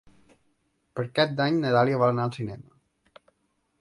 Per Cap d'Any na Dàlia vol anar al cinema.